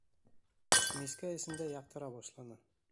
Мискә эсендә яҡтыра башланы.